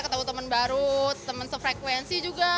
ketemu temen baru temen sefrekuensi juga